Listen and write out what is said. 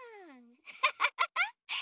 ハハハハ！